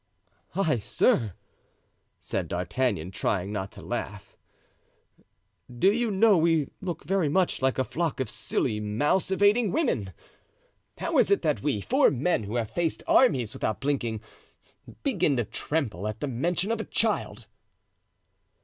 "Heigh, sir," said D'Artagnan, trying to laugh, "do you know we look very much like a flock of silly, mouse evading women! How is it that we, four men who have faced armies without blinking, begin to tremble at the mention of a child?"